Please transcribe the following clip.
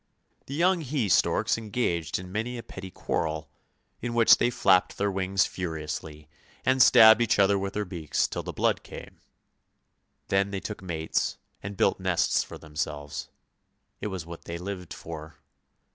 The young he storks engaged in many a petty quarrel, in which they napped their wings furiously and stabbed each other with their beaks till the blood came. Then they took mates and built nests for them selves; it was what they lived for.